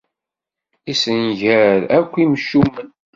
Issengar akk imcumen.